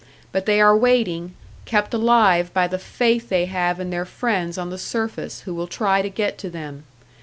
But they are waiting kept alive by the faith they have in their friends on the surface, who will try to get to them.